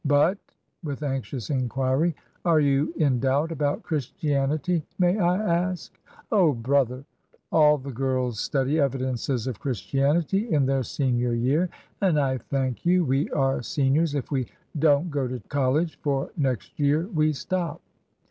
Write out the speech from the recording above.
But ''—with anxious inquiry— " are you in doubt about Christianity, may I ask ?" Oh, brother ! All the girls study ^ Evidences of Chris tianity ' in their senior year ; and, I thank you, we are seniors, if we don't go to college, for next year we stop."